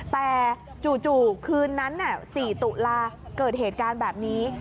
แต่จู่คืนนั้น๔ตุลาเกิดเหตุการณ์แบบนี้